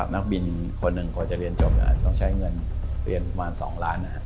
นักบินคนหนึ่งกว่าจะเรียนจบต้องใช้เงินเรียนประมาณ๒ล้านนะครับ